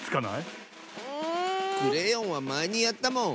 クレヨンはまえにやったもん！